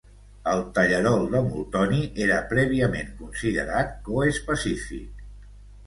El tallarol de Moltoni era prèviament considerat coespecífic.